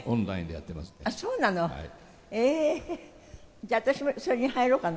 じゃあ私もそれに入ろうかな。